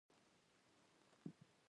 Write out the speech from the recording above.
په لاره کې زرګونه خلک ووژل شول.